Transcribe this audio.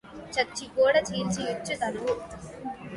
చచ్చి కూడ చీల్చి యిచ్చు తనువు